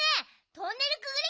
トンネルくぐり